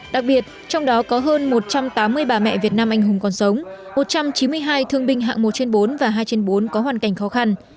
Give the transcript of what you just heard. đặc biệt trong đó có hơn một trăm tám mươi bà mẹ việt nam anh hùng còn sống một trăm chín mươi hai thương binh hạng một trên bốn và hai trên bốn có hoàn cảnh khó khăn